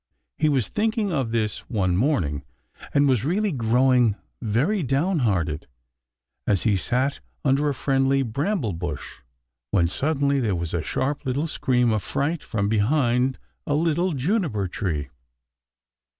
He was thinking of this one morning and was really growing very down hearted, as he sat under a friendly bramble bush, when suddenly there was a sharp little scream of fright from behind a little juniper tree.